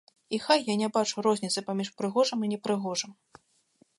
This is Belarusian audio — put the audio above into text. І хай я не бачу розніцы паміж прыгожым і непрыгожым.